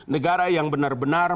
negara yang benar benar